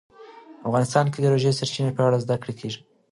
افغانستان کې د ژورې سرچینې په اړه زده کړه کېږي.